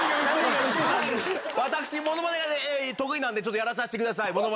私ものまねが得意なんでちょっとやらせてください。